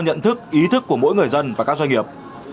nhận thức ý thức của mỗi người dân và các doanh nghiệp